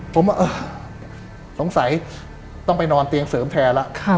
ผมสงสัยต้องไปนอนเตียงเสริมแทนแล้ว